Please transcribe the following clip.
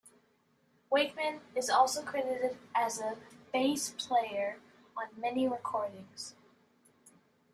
Wakeman is also credited as a bass player on many recordings.